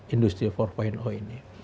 industri empat ini